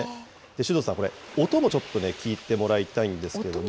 首藤さん、音もちょっとね、聞いてもらいたいんですけれども。